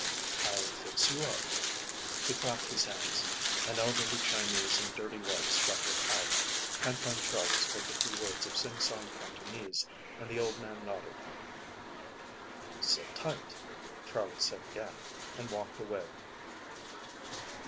"I'll fix you up." He clapped his hands. An elderly Chinese in dirty whites shuffled out. Canton Charlie spoke a few words of singsong Cantonese and the old man nodded. "Sit tight," Charlie said again, and walked away.